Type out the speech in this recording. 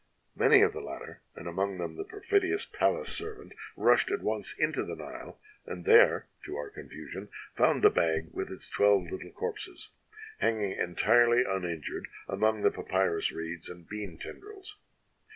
"Many of the latter, and among them the perfidious palace servant, rushed at once into the Nile, and there, to our confusion, found the bag with its twelve little corpses, hanging entirely uninjured among the papyrus reeds and bean tendrils.